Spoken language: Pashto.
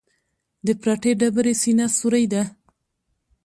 د پرتې ډبرې سینه سورۍ ده.